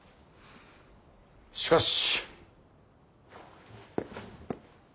しかし。